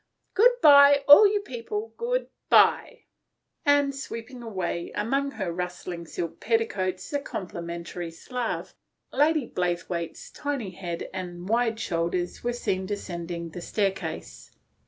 Good bye, all you people, good bye." And sweeping away among her rustling silk petticoats the complimentary Slav, Lady Blaythewaite's tiny head and wide shoulders were seen descending the staircase.